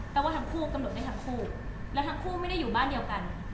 ว่าทั้งคู่กำหนดได้ทั้งคู่แล้วทั้งคู่ไม่ได้อยู่บ้านเดียวกัน